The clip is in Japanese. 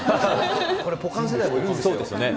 これ、ぽかん世代もいるんですね。